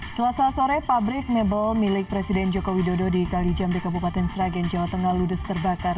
selasa sore pabrik mebel milik presiden joko widodo di kali jambi kabupaten sragen jawa tengah ludes terbakar